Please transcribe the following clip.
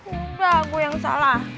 udah gue yang salah